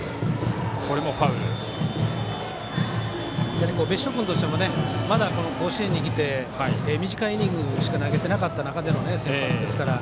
やはり、別所君としてもまだ甲子園にきて短いイニングしか投げてない中での先発ですから。